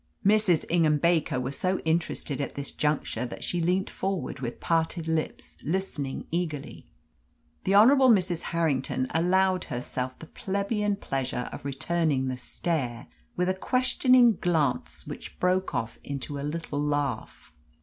Mrs. Ingham Baker was so interested at this juncture that she leant forward with parted lips, listening eagerly. The Honourable Mrs. Harrington allowed herself the plebeian pleasure of returning the stare with a questioning glance which broke off into a little laugh.